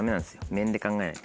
面で考えないと。